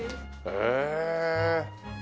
へえ。